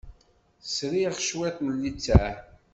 Sriɣ cwiṭ n littseɛ.